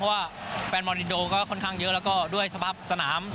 เพราะว่าแฟนบอลลินโดก็ค่อนข้างเยอะแล้วก็ด้วยสภาพสนาม